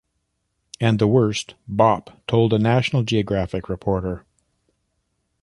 And the worst," Bopp told a "National Geographic" reporter.